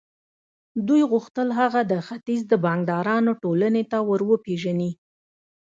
دوی غوښتل هغه د ختیځ د بانکدارانو ټولنې ته ور وپېژني